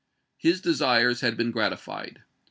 His desires had been gratified.